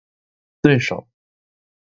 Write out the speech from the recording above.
对手